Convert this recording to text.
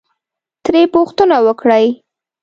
ترې پوښتنه وکړئ،